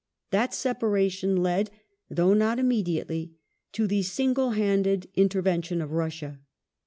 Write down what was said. That separation led, though not immediately, to the single handed intervention of Russia.